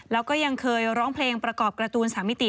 แล้วก็ยังเคยร้องเพลงประกอบการ์ตูน๓มิติ